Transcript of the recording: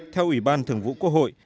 theo ủy ban thường vụ quốc hội